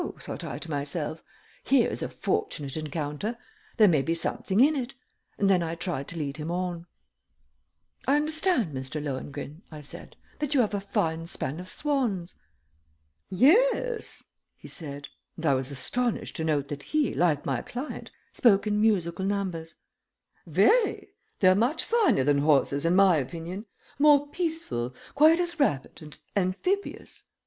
thought I to myself. "Here is a fortunate encounter; there may be something in it," and then I tried to lead him on. "I understand, Mr. Lohengrin," I said, "that you have a fine span of swans." "Yes," he said, and I was astonished to note that he, like my client, spoke in musical numbers. "Very. They're much finer than horses, in my opinion. More peaceful, quite as rapid, and amphibious.